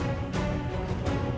ili begitulah nih